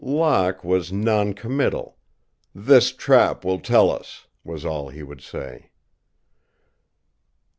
Locke was non committal. "This trap will tell us," was all that he would say.